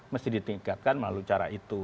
mesti ditingkatkan melalui cara itu